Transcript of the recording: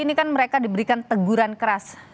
ini kan mereka diberikan teguran keras